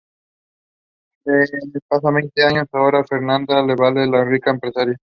Pasan veinte años; ahora Fernanda LaValle es una rica empresaria.